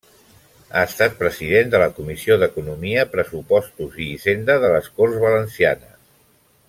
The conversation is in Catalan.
Ha estat president de la Comissió d'Economia, Pressupostos i Hisenda de les Corts Valencianes.